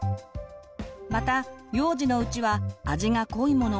また幼児のうちは味が濃いもの